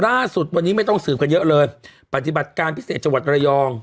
ล่าสุดวันนี้ไม่ต้องสืบกันเยอะเลยปฏิบัติการพิเศษจังหวัดระยอง